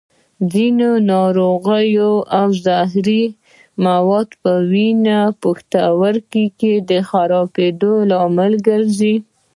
ځینې ناروغۍ او زهري مواد په وینه کې د پښتورګو د خرابېدو لامل ګرځي.